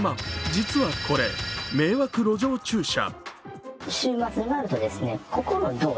実はこれ、迷惑路上駐車。